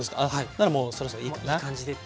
ならもうそろそろいいかな。